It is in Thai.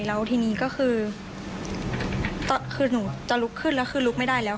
แล้วทีนี้ก็คือหนูจะลุกขึ้นแล้วคือลุกไม่ได้แล้วค่ะ